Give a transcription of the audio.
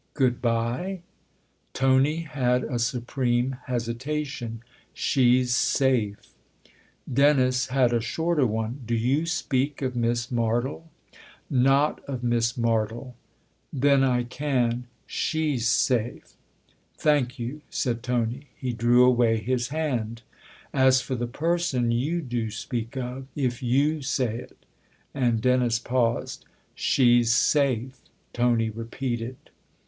" Good bye ?" Tony had a supreme hesitation, " She's safe." Dennis had a shorter one. (< .Do you speak of Miss Martle ?"" Not of Miss Martle." " Then I can. She's safe." " Thank you," said Tony. He drew away his hand, (( As for the person you do speak of, if you say it " and Dennis paused. (( She's safe," Tony repeated.